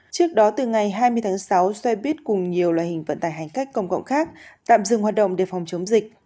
trước đó từ ngày hai mươi tháng sáu xe buýt cùng nhiều loài hình vận tài hành cách công cộng khác tạm dừng hoạt động để phòng chống dịch